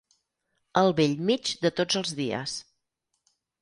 Al bell mig de tots els dies.